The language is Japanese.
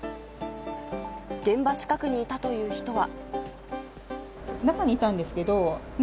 現場近くにいたという人は。